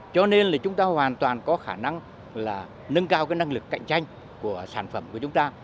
cho nên là chúng ta hoàn toàn có khả năng là nâng cao năng lực cạnh tranh của sản phẩm của chúng ta